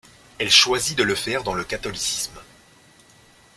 Elle choisit de le faire dans le catholicisme.